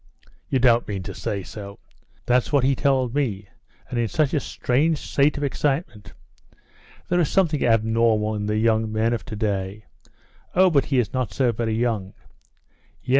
"You don't mean to say so." "That's what he told me. And in such a strange state of excitement!" "There is something abnormal in the young men of to day." "Oh, but he is not so very young." "Yes.